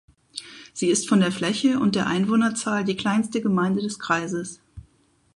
Sie ist von der Fläche und der Einwohnerzahl die kleinste Gemeinde des Kreises.